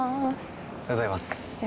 おはようございます。